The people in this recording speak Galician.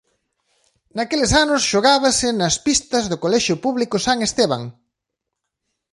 Naqueles anos xogábase nas pistas do colexio público San Esteban.